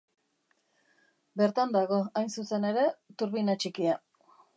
Bertan dago, hain zuzen ere, turbina txikia.